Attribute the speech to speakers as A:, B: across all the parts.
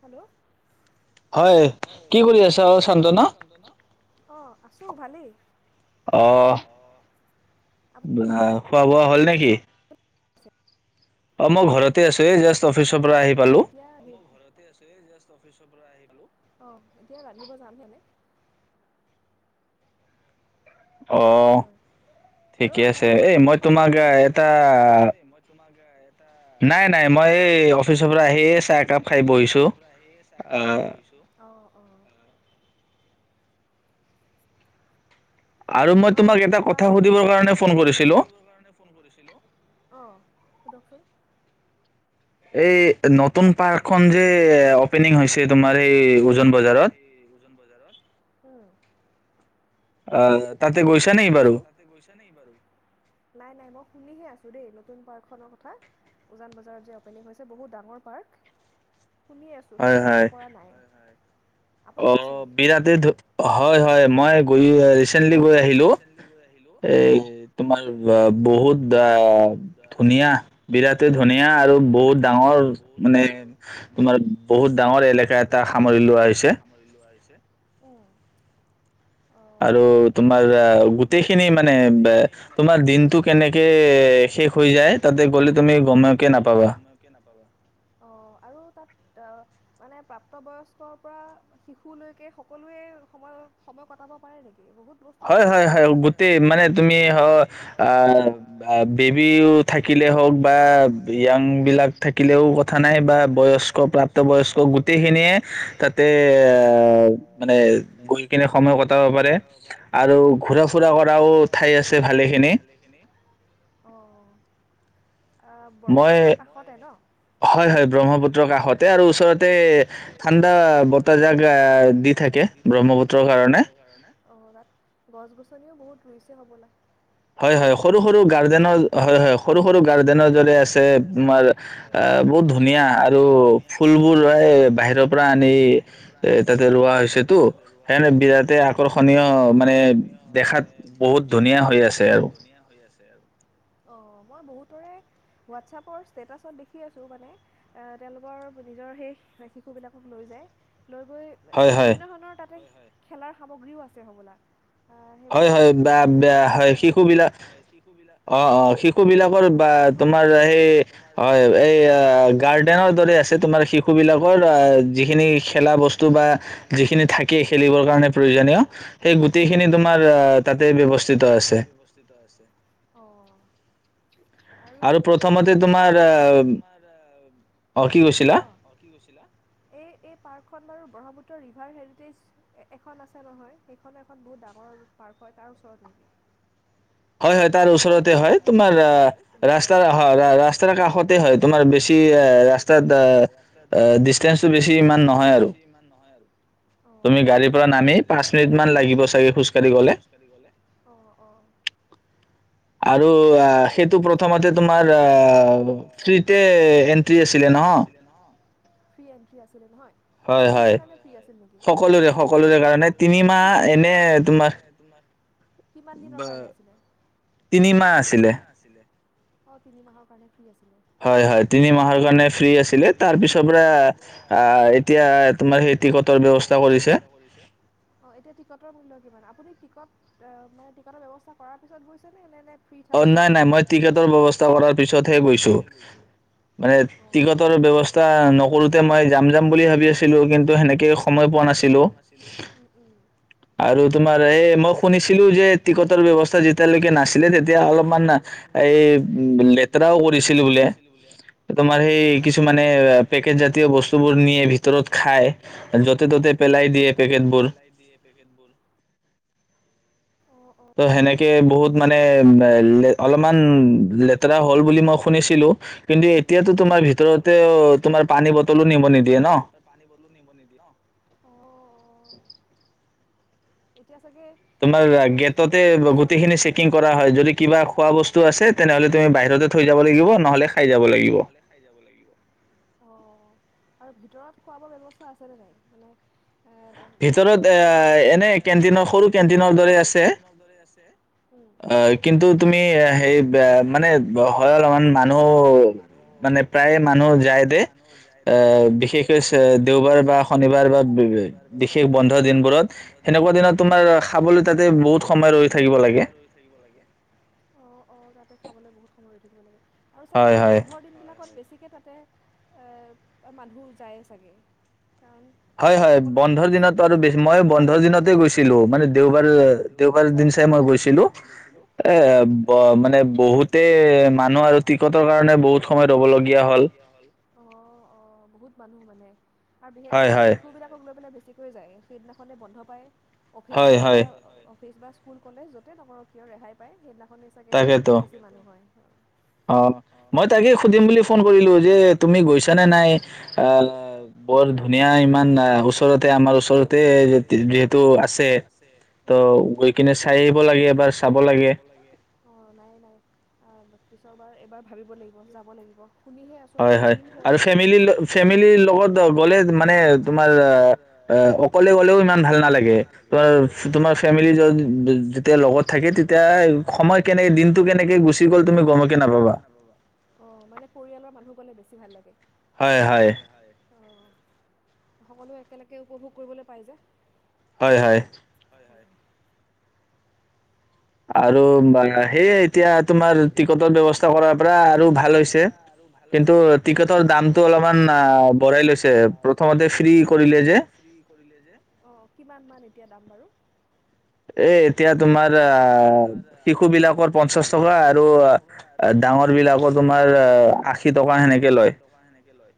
A: Hello হয় কি কৰি আছ অ চন্তনা অ চোঁ ভালেই
B: আহ খোৱা বোৱা হ'ল নেকি?
A: খোৱা ব হয় এতিয়া আ অফিৰ পৰা আহ আহ এতিয়া ৰান্ধিব যাম হেনে আপোনালোক খোৱা বোৱা হল নেক
B: নাই নাই মই এই অফিচৰ পৰা আহি চাহ একাপ খাই বহিছো আহ
A: [unintelligible] গুড অফটোন
B: এই নত
A: এই নতুন পাৰক যে অপনিং হৈছে তোমাৰ এই উজন বজাৰত অ অ শুনিছো ন বাৰু নাই নাই মই শুনিহে আছো দেই নতুন পাৰ্কখনৰ কথা উজান বজাৰত যে অপেনিং হৈছে বহুত ডাঙৰ পাৰ্ক শুনি আছো কিন্তু যাব পৰা নাই
B: অ বিৰাট হয় হয় মই গৈ ৰিচেণ্টলি গৈ আহিলো এ তোমাৰ বহুত আহ ধুনীয়া বিৰাটেনধুনীয়া আৰু বহুত ডাঙৰ মানে তোমাৰ বহুত ডাঙৰ এলেকা এটা সামৰি লোৱা হৈছে
A: উ
B: আৰু
A: আৰু তোমাৰ গোটেইখিনি মানে তোমাৰ দিনটো কেনেকে শেষ হৈ যায় তাতে গ'লে তুমি গমকে নাপাবা অ আৰু তাত অহ মানে প্ৰাপ্ত বয়স্কৰ পৰা শিশুলৈকে সকলোৱে সময় সময় কটাব পাৰে নেকি বহুত
B: হয় হয় হয় গোটেই মানে তুমি অহ বেবীও থাকিলে হওক বা য়াং বিলাক থাকিলেও কথা নাই বা বয়স্ক প্ৰাপ্ত বয়স্ক গোটেইখিনিয়ে তাতে এ মানে গৈ কিনে সময় কটাব পাৰে
A: আৰু ঘুৰা ফুৰা কৰাও ঠাই আছে ভালেখিনি অ ব্ৰহ্মপুত্ৰ কাষতে ন। হয় হয় ব্ৰহ্মপুত্ৰৰ কাষতে আৰু ওচৰতে ঠাণ্ডা বতাহজাক দি থাকে ব্ৰহ্মপুত্ৰৰ কাৰণে গছ গছনিও বহুত ৰুইছে হ'বলা
B: হয় হয় সৰু সৰু গাৰ্ডেনৰ হয় হয় সৰু সৰু গাৰ্ডেনৰ দৰে আছে তোমাৰ আ বহুত ধুনীয়া আৰু ফুলবোৰ লৈ বাহিৰৰ পৰা আনি এ তাতে ৰোৱা হৈছে টো সেইকাৰণে বিৰাটে আকৰ্ষণীয় মানে দেখাত বহুত ধুনীয়া হৈ আছে তে আৰু
A: অ মই বহুতৰে হোৱাটছপৰ ষ্টেটাচত দেখি আছো মানে এ তেওঁলোকৰ নিজৰ সেই শিশু বিলাকক লৈ যায় লৈ গৈ বিভিন্ন ধৰণৰ তাত হয় হয়। খেলাৰ সামগ্ৰীও আছে হ'বলা
B: হয় হয় বা হয় শিশু বিলাক অ অ শিশু বিলাকৰ বা তোমাৰ সেই হয় এই গাৰ্ডেনৰ দৰে আছে তোমাৰ শিশু বিলাকৰ যিখিনি খেলা বস্তু বা যিখিনি থাকে খেলিবৰ কাৰণে প্ৰয়োজনীয় সেই গুটেইখিনি তম
A: গোটেইখিনি তোমাৰ আ তাতে ব্যৱস্থিত আছে আৰু সেইখন বাৰু। অ প্ৰথমতে তোমাৰ অ কি কৈছিলা। অ এ এইন পাৰ্কখন বাৰু ব্ৰহ্মপুত্ৰ ৰিভাৰ হেৰিটেজ এখন আছে নহয় সেইখনো এখন বহুত ডাঙৰ পাৰ্ক হয় তাৰ ওচৰত নেকি ওচৰত হয় তোমাৰ ৰাস্ত ৰাস্তাৰ কাষতে হয় তোমাৰ বেছি ৰাস্তাত ডিেটো বেছি ইমান নহয় আৰুি গাড় পাঁচ মিনিট মান লাগিব চাগে খোজ কঢ়ি গলে অ
B: আৰু সেইটো প্ৰথমতে তোমাৰ ফ্ৰীতে এন্ট্ৰি আছিলে নহয়
A: ফ্ৰী এনট্ৰি আছিলে নহয় সকলোৰে কাৰণে ফ্ৰী আছিল নেকি। সকলোৰে সকলোৰে কাৰণে ম কিমান দিনৰ কাৰ আ তিনি মাহ আছিল অ তিনি মাহৰ কাৰণে হয় হয় তিনি মাহ কাৰণে আছিলে তাৰ পিছত এতিয়া তাৰ সেই ট টিকটৰ মূল্য কিমান? আপুনি টিকট মানে টিকটৰ ব্যৱস্থা কৰাৰ পিছত গৈছে নে? নে নে ফ্ৰী থাকোতে গৈছে? নাই নাই মই টিকটৰ ব্যৱস্থা কৰাৰ পিছতহে গৈছো। টিকটৰ ব্যৱস্থা নকৰোতে মই যাম যাম বুলি ভাবি আছিলো। কিন্তু সেনেকে সময় পোৱা নাছিলো।
B: আৰু তোমাৰ এই মই শুনিছিলো যে টিকটৰ ব্যৱস্থা যেতিয়ালৈকে নাছিলে, তে এতিয়া অলপমান এই লেতেৰাও কৰিছিল বোলে। তোমাৰ সেই কিছুমানে পেকেট জাতীয় বস্তু বোৰ নিয়ে ভিতৰত খাই য'তে ত'তে পেলাই দিয়ে পেকেট বোৰ।
A: দিয়ে পেকেটবোৰ।
B: কে বহুত মানে অলপমান লেতেৰা হ'ল বুলি মই শুনিছিলো কিন্তু এতিয়াতো তোমাৰ ভিতৰতে তোমাৰ পানী বটলো নিব নিদিয়ে ন?
A: এতিয়া চাগে, টিকটৰ ব্যয়ৱস্থা কৰি দিয়াৰ পিছত গোটেইখিনি চেকিং কৰা হয়। যদি কিবা খোৱা বস্তু আছে, তেনেহলে তুমি বাহিৰতে থৈ যাব লাগিব। নহলে খাই যাব লাগিব। অ আৰু ভিতৰত খোৱ বৰ ব্যৱস্থা আছেনে নাই? মানে এনেকুৱা ৰেষ্টুৰেণ্টত, কেফে? এনে কেনট, সৰু কেটনৰ দৰে আছে।
B: অ কিন্তু তুমি সেই মানে হয়লপমান মানুহ মানে প্ৰায় মানুহ যায় দে এ বিশেষকৈ দেওবাৰ বা, শনিবাৰ বা বিশেষ বন্ধ দিনবোৰত সেনেকুৱা দিনত তুমাৰ খাবলৈ তাতে বহুত সময় ৰৈ থাকিব লাগে।
A: সময় ৰৈ থাকিব লাগে। অ অ তাতে খাবলে বহুত সময় ৰৈ থাকিব লাগে। আৰু চাগে বন্ধৰ দিন বিলাকত বেছি তাতে এ মানুহ যায় চাগে।
B: হয় হয়। বন্ধৰ দিনত আৰু বে, মই বন্ধৰ দিনতে গৈছিলো। মানে দেওবাৰ, দেওবাৰ দিন চাই
A: দেওবাৰ দিন চাই মই গৈছিলো। এ মানে বহুতে মানুহ আৰু টিকটৰ কাৰণে বহুত সময় ৰ'ব লগগীয়া হ'ল। অ অ বহুত মানুহ মানে? আৰু বিশেষকে চাগে শিশু বিলাকক লৈ পেলাই বেছি। বেছিকৈ যায় সেইদিনাখনে বন্ধ পায়। অফিচৰ পৰা। হয় হয় হয়। ফেচবাছ স্কুল কলেজ যতে নকৰক কিয়, ৰেহাই পায়। সেইদিন সচাগে বেছি মানুহ হয়। অ মই তাকে সুধিম বুলি ফোন কৰিলো যে, তুমি গৈছ নে নাই? অ বৰ ধুনীয়া ইমান ওচৰতে আমাৰ ওচৰতে যিহেতু আছে। অ অ। ত গৈ কিনে চাই আহিব লাগে, এবাৰ চাব লাগে। অ নাই নাই, পিছৰবাৰ এবাৰ ভাবিব লাগিব, যাব লাগিব। শুনি হে আছোঁ মই দিন হল হয় হয় আৰু ফেমেলিৰ লগ ফেমেলিৰ লগত গলে মানে তোমাৰ অকলে গলেও ইমান ভাল নালাগে তোমাৰ ফেমেলি যেতিয়া লগত থাকে তেতিয়া সময় কেনেকে দিনটো কেনেকে গুচি গ'ল তুমি গমকে নাপাবা। অ, মানে পৰিয়ালৰ মানুহ গলে বেছি [inaudible]
B: হয়, হয়।
A: অ', সকলোৱেই একেলগে উপভোগ কৰিবলৈ পাই যে।
B: হয়, হয়।
A: তা তাতে আৰু, আৰু হাইজে এতিয়া তোমাৰ টিকটৰ ব্যৱস্থা কৰাৰ পৰা আৰু ভাল হৈছে কিন্ত টিকটৰ দামটো অলপমান ব়াই লৈছে, প্ৰথমতে ফ্ৰী কৰিলে যে কিমান মান এতিয়া দাম বাৰু।
B: এ
A: এ এতিয়া তোমাৰ অ', শিশু বিলাকৰ পঞ্চাছ টকা আৰু ডাঙৰ বিলাকৰ তোমাৰ আশি টকা হেনেকে লয়,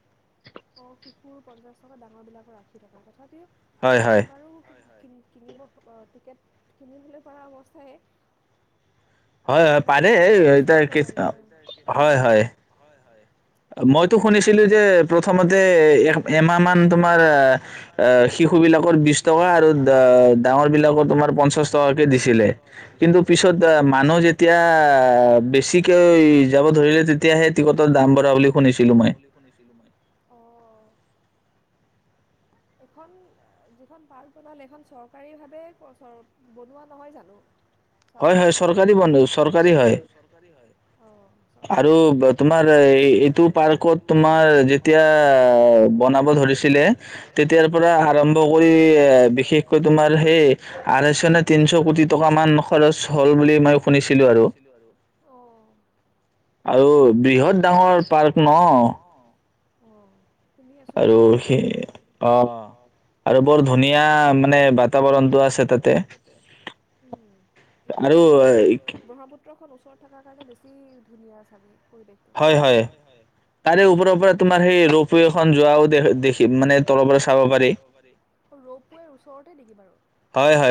A: অ' শিশু ফোৰ পঞ্চাছ টকা ডাঙৰবিলাকৰ আশী টকা থেত
B: হয়, হয়।
A: কি কিনিব অ', টিকেট কিনি হ'লে পৰা অৱস্থাই মানে বহুত বহুত বেছি নহৈ গৈ, উম, হয়, হয়।
B: মইতো শুনিছিলো যে প্ৰথমতে এক এমাহ মান তোমাৰ অ', অ', শিশু বিলাকৰ বিশ টকা আৰু দা ডাঙৰবিলাকৰ তোমাৰ পঞ্চাছ টকাকে দি আছিলে, কিন্তু পিছত মানুহ যেতিয়া আ, বেছিকেই যাব ধৰিলে তেতিয়া সে টিকটৰ দাম
A: টিকটৰ দাম বঢ়া বুলি শুনিছিলোঁ মই, অ'। এখন যিখন পাৰ্ক বনালে সেইখন চৰকাৰী ভাৱে চ বনোৱা নহয় জানো। চহৰ পিনৰ পা তেওঁ, হৈ, হৈ চৰকাৰী পাৰ্ক চৰকাৰী হৈ, অ'।
B: আৰু তোমাৰ এ এইটো পাৰ্কত তোমাৰ যেতিয়া বনাব ধৰিছিলে তে
A: তেতিয়াৰ পৰা আৰম্ভ কৰি বিশেষকৈ তোমাৰ সেই আৰহৈছ ন তিনচ কোটি টকা মান খৰচ হ'ল, বুলি মই শুনিছিলোঁ আৰু, অ'।
B: আৰু বৃহৎ ডাঙৰ পাৰ্ক ন।
A: অ'। শুনি আছো যাব লাগিব ৰবা। অ', আৰু বৰ ধুনীয়া মানে বাতাবৰণটো আছে তাতে, উম, [unintelligible] ব্ৰহ্মপুত্ৰখন ওচ ওচৰত থকাৰ কাৰণে বেছি ধুনীয়া চাগে।
B: হয়, হয় তাৰে ওপৰৰ পৰা তোমাৰ সেই ৰোপৱে খন যোৱাও দে দেখি মানে তলৰ পৰা চাব
A: চাব পাৰি, অ', ৰৌপৱেৰ ওচৰতে- নিকি বাৰু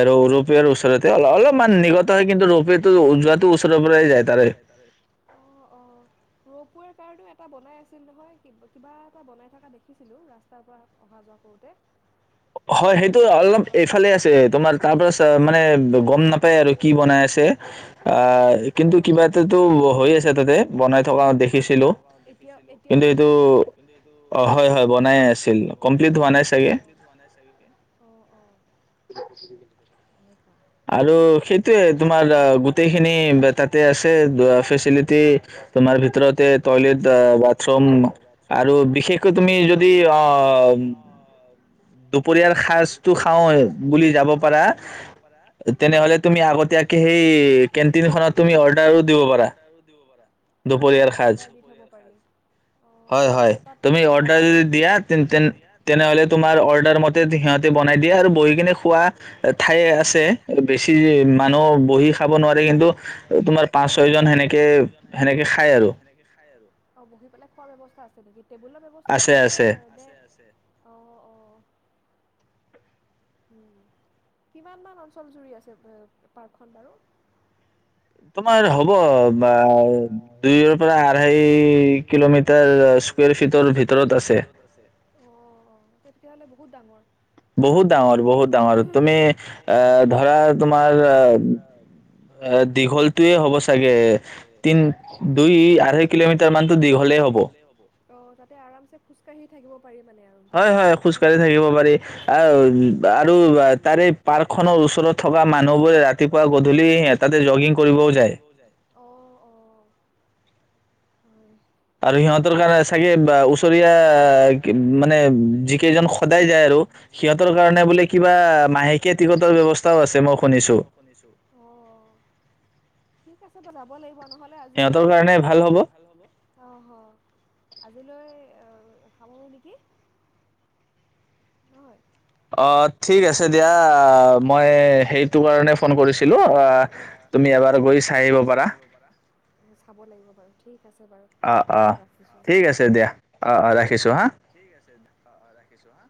A: [inaudible] হয়, হয় ৰ ৰোপৱেৰ উছৰতাই, অ', অলপমান নিকত হয় কিন্তু ৰপেৱাউটো যোৱাটো ওচৰৰ পৰাই যায় তাৰে, অ', অ'। [unintelligible] কাৰ্ত এটা বনাই আছিল নহয়, কিবা এটা বনাই থকা দেখিছিলোঁ ৰাস্তাৰ পৰা অহা যোৱা উদে। [inaudible]
B: হয়, সৈতে অলপ এইফালে আছে তোমাৰ তাৰ পৰা মানে গম নাপায় আৰু কি বনাই আছে, অ', কিন্তু কিবা এটাটো হৈ আছে তাতে বনাই থকা দেখিছিলোঁ, কিন্তু এইটো, অ', হয়, হয় বনাইে আছিল কমপ্লিট হোৱা নাই তাকে।
A: নাই চাগে অ অ
B: [unintelligible] আৰু সেইটোৱে তোমাৰ গোটেইখিনি তাতে আছে ফেচিলিটি তোমাৰ ভিতৰতে, টয়লেট, বাথৰুম আৰু বিশেষকৈ তুমি যদি অ' দুপৰীয়াৰ সাজতটো খাওঁ বুলি যাব পাৰা
A: তেনেহ'লে তুমি আগতিয়াকে সেই ক্যেন্টিং এখনত অৰ্ডাৰ তুমি দিবো পাৰা, অ', অ', অৰ্ডাৰ ডি থব পাৰি দুপৰীয়া সাঁজ অ', অ', তাত বহাৰ তুমি অৰ্ডাৰ দিয়া
B: তেনেহ'লে তোমাৰ অৰ্ডাৰ মতে সিহঁতে বনাই দিয়ে আৰু বহি কিনে খোৱা ঠাই আছে
A: খাই আছে আৰু বেছি মানুহ বহি খাব নোৱাৰে কিন্তু তোমাৰ পাঁচ ছয় জন সেনেকে সেনেকে খায় আৰু অ বহি পেলাই খোৱাৰ ব ব্যৱস্থা আছে নেকি টেবুলৰ ব্যৱস্থা আছে যে বেছ উম কিমান মান অঞ্চল জুৰি আছে পাৰ্কখন বাৰু তোমাৰ হ'ব বা দুইৰ পৰা আঢ়াই কিলোমিটাৰ স্কৰৰ ফিটৰ ভিতৰত আছে। তেতিয়া হ'লে বহুত ডাঙৰ।
B: বহুত ডাঙৰ, বহুত ডাঙৰ তুমি এ ধৰা তোমাৰ দীঘলটোৱে হ'ব চাগে তিন দুই আঢ়ৈ কিলোমিটাৰ মানতো দীঘলেই হ'ব
A: অ তাতে আৰামছে খোজকাঢ়ি থাকিব পাৰি মানে ধুনীয়া কে গোটেইখিনি চাই পেলায় আৰু তাৰে পাৰ্ক খনৰ ওচৰত থকা মানুহ বোৰে ৰাতিপুৱা গধূলি সিহতে তাতে জগিং
B: হয় আৰু সিহঁতৰ কাৰণে চাগে ওচৰীয়া মানে যিকেইজন সদায় যায়
A: যিকেইজন সদায় যায় স কাৰণে বোলে কিবা মাহেকীয়া টিকটৰ ব্যৱস্থা আছে মই শুনিছো ঠিক আছে ব যাব লাগিব নহলে আজিলৈ সিহঁতৰ কাৰণে ভাল হ'ব অ অ হ আজিলৈ আহ সামৰো নেকি? হয়
B: অ ঠিক আছে দিয়া মই সেইটো কাৰণে ফোন কৰিছিলো তুমি এবাৰ গৈ চাই আহিব পাৰা অ অ ঠিক আছে দিয়া অ
A: ঠিক আছে অ অ ৰাখিছো হা